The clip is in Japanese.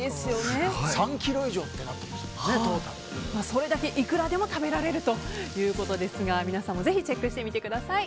それだけいくらでも食べられるということですから皆さんもぜひチェックしてみてください。